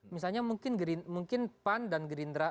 misalnya mungkin pan dan gerindra